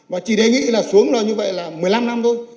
và chỉ đề nghị là xuống là như vậy là một mươi năm năm thôi